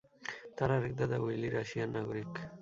তার আরেক দাদা উইলি রাশিয়ার নাগরিক।